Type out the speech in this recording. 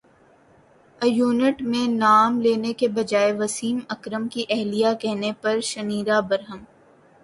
event میں نام لینے کے بجائے وسیم اکرم کی اہلیہ کہنے پر شنیرا برہم